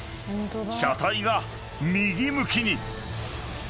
車体が右向きに］